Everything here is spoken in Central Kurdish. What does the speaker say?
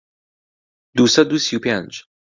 دوو سەد و سی و پێنج